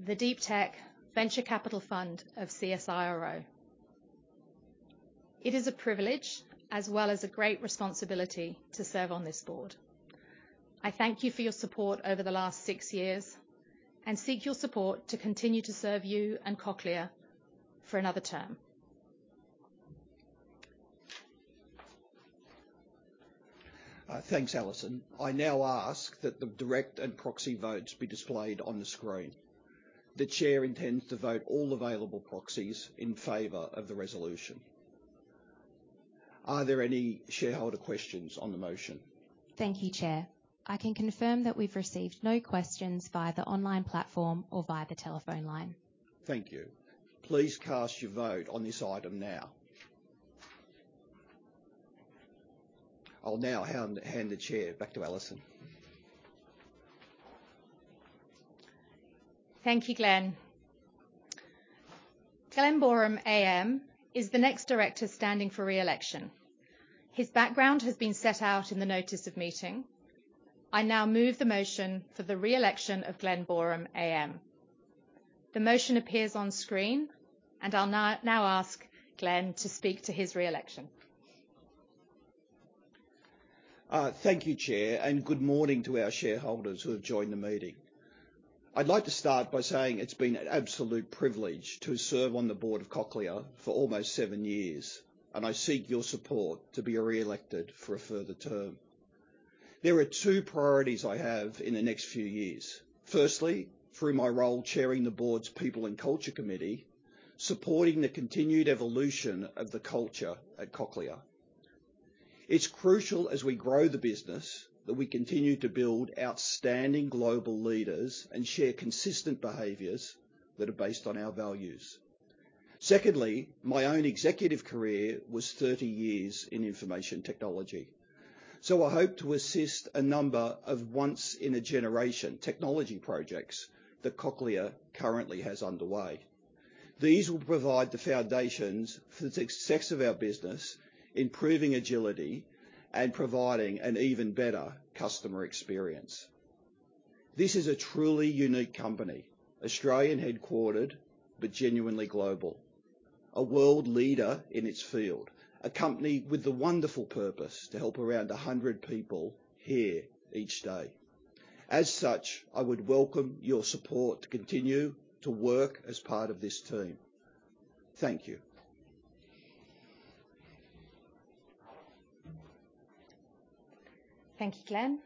the deep tech venture capital fund of CSIRO. It is a privilege as well as a great responsibility to serve on this board. I thank you for your support over the last six years and seek your support to continue to serve you and Cochlear for another term. Thanks, Alison. I now ask that the direct and proxy votes be displayed on the screen. The chair intends to vote all available proxies in favor of the resolution. Are there any shareholder questions on the motion? Thank you, Chair. I can confirm that we've received no questions via the online platform or via the telephone line. Thank you. Please cast your vote on this item now. I'll now hand the chair back to Alison. Thank you, Glen. Glen Boreham AM is the next director standing for re-election. His background has been set out in the notice of meeting. I now move the motion for the re-election of Glen Boreham AM. The motion appears on screen, and I'll now ask Glen to speak to his re-election. Thank you, Chair, and good morning to our shareholders who have joined the meeting. I'd like to start by saying it's been an absolute privilege to serve on the board of Cochlear for almost seven years, and I seek your support to be re-elected for a further term. There are two priorities I have in the next few years. Firstly, through my role chairing the board's People and Culture Committee, supporting the continued evolution of the culture at Cochlear. It's crucial as we grow the business that we continue to build outstanding global leaders and share consistent behaviors that are based on our values. Secondly, my own executive career was 30 years in information technology, so I hope to assist a number of once-in-a-generation technology projects that Cochlear currently has underway. These will provide the foundations for the success of our business, improving agility, and providing an even better customer experience. This is a truly unique company, Australian-headquartered, but genuinely global. A world leader in its field. A company with the wonderful purpose to help around 100 people hear each day. As such, I would welcome your support to continue to work as part of this team. Thank you. Thank you, Glen.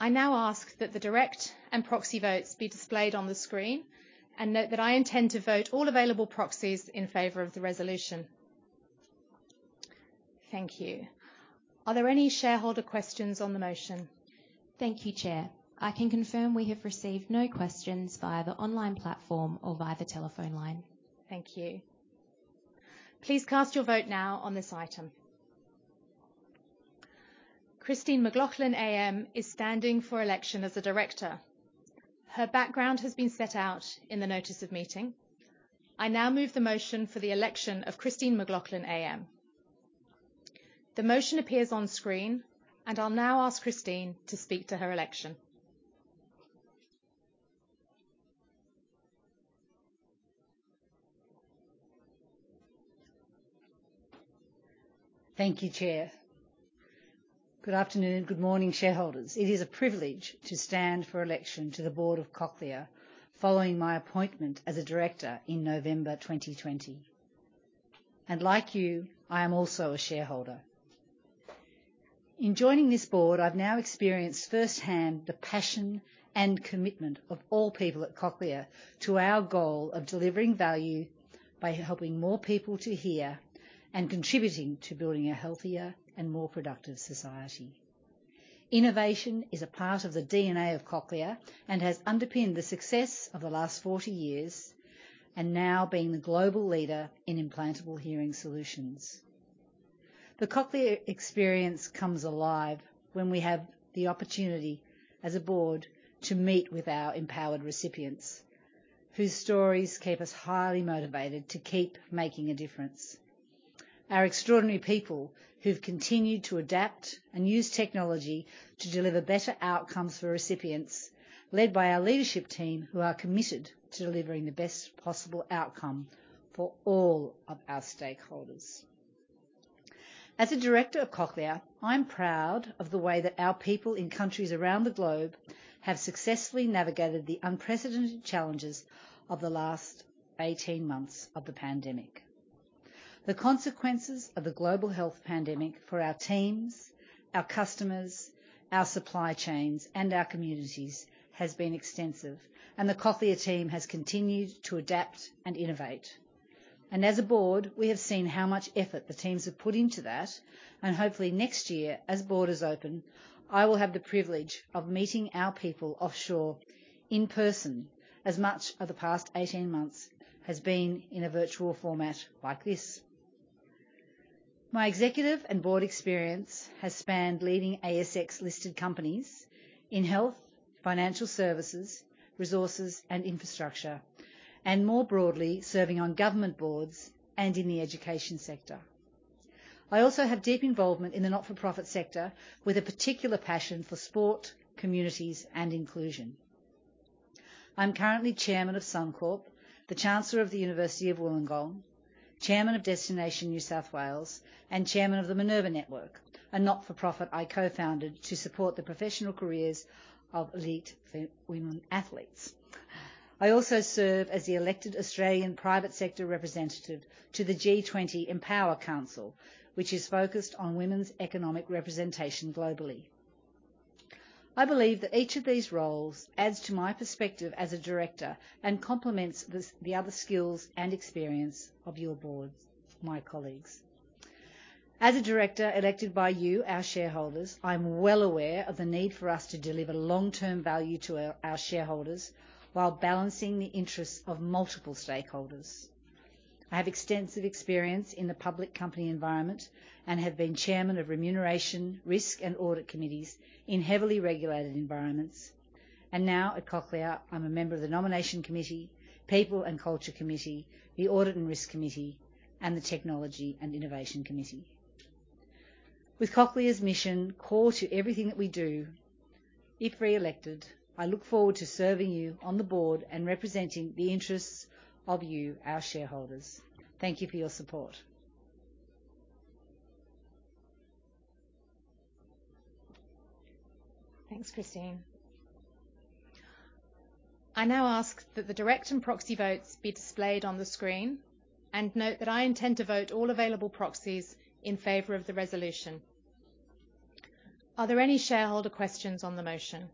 I now ask that the direct and proxy votes be displayed on the screen, and note that I intend to vote all available proxies in favor of the resolution. Thank you. Are there any shareholder questions on the motion? Thank you, Chair. I can confirm we have received no questions via the online platform or via the telephone line. Thank you. Please cast your vote now on this item. Christine McLoughlin AM is standing for election as a director. Her background has been set out in the notice of meeting. I now move the motion for the election of Christine McLoughlin AM. The motion appears on screen, and I'll now ask Christine to speak to her election. Thank you, Chair. Good afternoon and good morning, shareholders. It is a privilege to stand for election to the board of Cochlear following my appointment as a director in November 2020. Like you, I am also a shareholder. In joining this board, I've now experienced firsthand the passion and commitment of all people at Cochlear to our goal of delivering value by helping more people to hear and contributing to building a healthier and more productive society. Innovation is a part of the DNA of Cochlear and has underpinned the success of the last 40 years, and now being the global leader in implantable hearing solutions. The Cochlear experience comes alive when we have the opportunity as a board to meet with our empowered recipients, whose stories keep us highly motivated to keep making a difference. Our extraordinary people who've continued to adapt and use technology to deliver better outcomes for recipients, led by our leadership team who are committed to delivering the best possible outcome for all of our stakeholders. As a director of Cochlear, I'm proud of the way that our people in countries around the globe have successfully navigated the unprecedented challenges of the last 18 months of the pandemic. The consequences of the global health pandemic for our teams, our customers, our supply chains, and our communities has been extensive, and the Cochlear team has continued to adapt and innovate. As a board, we have seen how much effort the teams have put into that, and hopefully next year, as borders open, I will have the privilege of meeting our people offshore in person as much of the past 18 months has been in a virtual format like this. My executive and board experience has spanned leading ASX-listed companies in health, financial services, resources, and infrastructure, and more broadly, serving on government boards and in the education sector. I also have deep involvement in the not-for-profit sector with a particular passion for sport, communities, and inclusion. I'm currently Chairman of Suncorp, the Chancellor of the University of Wollongong, Chairman of Destination NSW, and Chairman of the Minerva Network, a not-for-profit I co-founded to support the professional careers of elite women athletes. I also serve as the elected Australian private sector representative to the G20 EMPOWER Council, which is focused on women's economic representation globally. I believe that each of these roles adds to my perspective as a director and complements the other skills and experience of your board, my colleagues. As a director elected by you, our shareholders, I'm well aware of the need for us to deliver long-term value to our shareholders while balancing the interests of multiple stakeholders. I have extensive experience in the public company environment and have been chairman of remuneration, risk, and audit committees in heavily regulated environments. Now at Cochlear, I'm a member of the Nomination Committee, People and Culture Committee, the Audit and Risk Committee, and the Technology and Innovation Committee. With Cochlear's mission core to everything that we do, if reelected, I look forward to serving you on the board and representing the interests of you, our shareholders. Thank you for your support. Thanks, Christine. I now ask that the direct and proxy votes be displayed on the screen, and note that I intend to vote all available proxies in favor of the resolution. Are there any shareholder questions on the motion?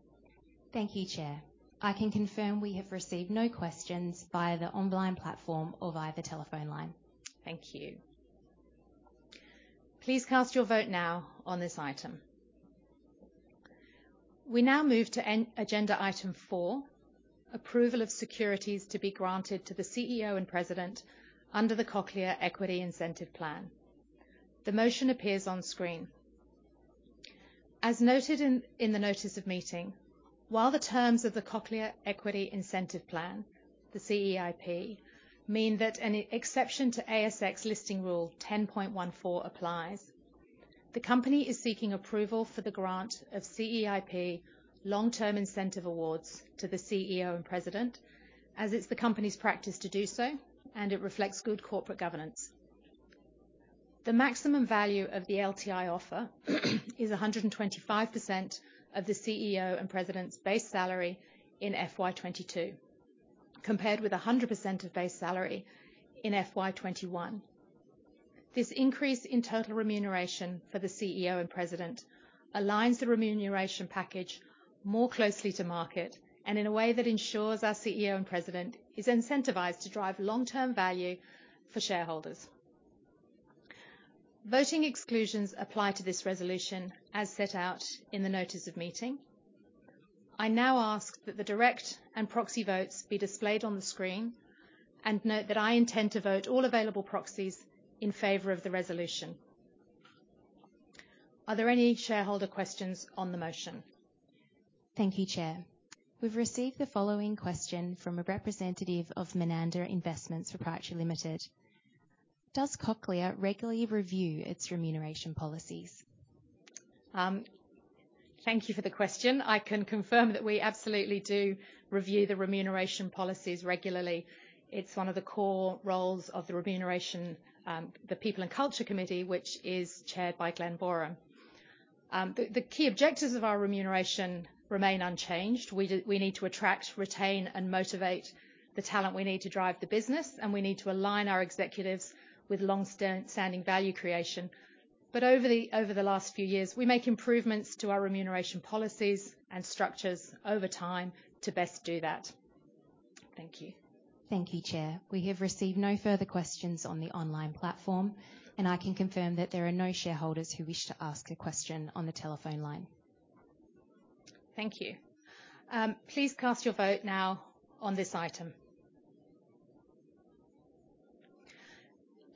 Thank you, Chair. I can confirm we have received no questions via the online platform or via the telephone line. Thank you. Please cast your vote now on this item. We now move to agenda item four, approval of securities to be granted to the CEO and President under the Cochlear Equity Incentive Plan. The motion appears on screen. As noted in the notice of meeting, while the terms of the Cochlear Equity Incentive Plan, the CEIP, mean that an exception to ASX listing rule 10.14 applies, the company is seeking approval for the grant of CEIP long-term incentive awards to the CEO and President, as it's the company's practice to do so, and it reflects good corporate governance. The maximum value of the LTI offer is 125% of the CEO and President's base salary in FY 2022, compared with 100% of base salary in FY 2021. This increase in total remuneration for the CEO and President aligns the remuneration package more closely to market and in a way that ensures our CEO and President is incentivized to drive long-term value for shareholders. Voting exclusions apply to this resolution as set out in the notice of meeting. I now ask that the direct and proxy votes be displayed on the screen and note that I intend to vote all available proxies in favor of the resolution. Are there any shareholder questions on the motion? Thank you, Chair. We've received the following question from a representative of Mananda Investments Proprietary Limited. Does Cochlear regularly review its remuneration policies? Thank you for the question. I can confirm that we absolutely do review the remuneration policies regularly. It's one of the core roles of the remuneration, the People and Culture Committee, which is chaired by Glen Boreham. The key objectives of our remuneration remain unchanged. We need to attract, retain, and motivate the talent we need to drive the business, and we need to align our executives with long-standing value creation. Over the last few years, we make improvements to our remuneration policies and structures over time to best do that. Thank you. Thank you, Chair. We have received no further questions on the online platform. I can confirm that there are no shareholders who wish to ask a question on the telephone line. Thank you. Please cast your vote now on this item.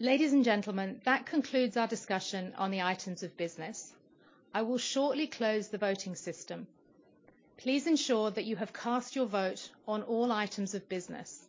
Ladies and gentlemen, that concludes our discussion on the items of business. I will shortly close the voting system. Please ensure that you have cast your vote on all items of business.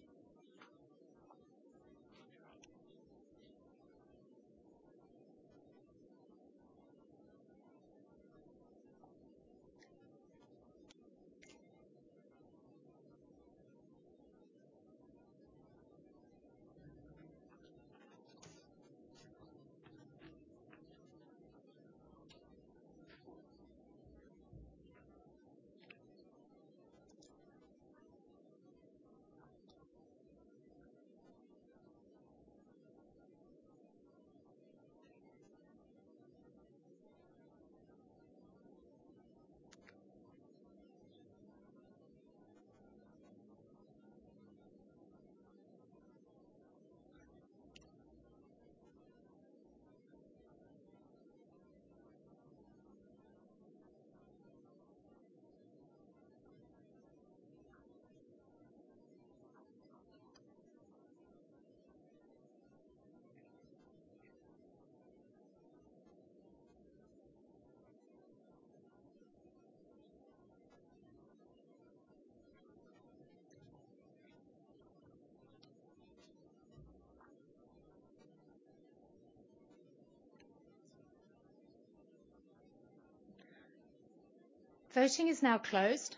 Voting is now closed.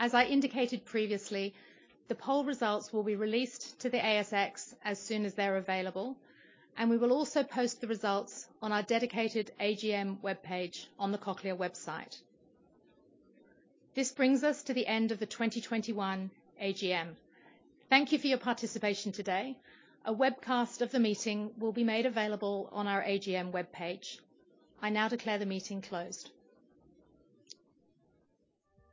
As I indicated previously, the poll results will be released to the ASX as soon as they're available, and we will also post the results on our dedicated AGM webpage on the Cochlear website. This brings us to the end of the 2021 AGM. Thank you for your participation today. A webcast of the meeting will be made available on our AGM webpage. I now declare the meeting closed.